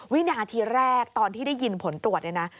วินาทีแรกตอนที่ได้ยินผลตรวจเนี่ยนะ